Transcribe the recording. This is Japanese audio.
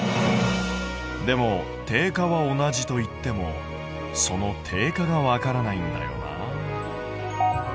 でも定価は同じといってもその定価がわからないんだよな。